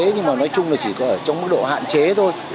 nhưng mà nói chung là chỉ có ở trong mức độ hạn chế thôi